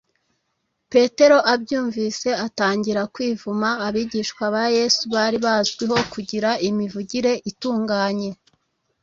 ” petero abyumvise atangira kwivuma abigishwa ba yesu bari bazwiho kugira imivugire itunganye,